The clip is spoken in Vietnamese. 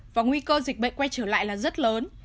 và nguy cơ dịch bệnh quay trở lại là rất lớn